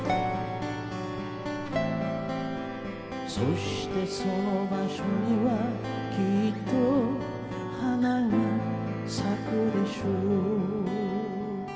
「そしてその場所にはきっと花が咲くでしょう」